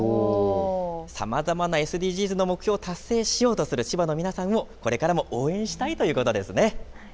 さまざまなＳＤＧｓの目標を達成し必要とする千葉の皆さんをこれからも応援したいということですよね。